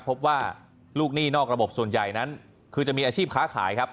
พบว่าลูกหนี้นอกระบบส่วนใหญ่นั้นคือจะมีอาชีพค้าขายครับ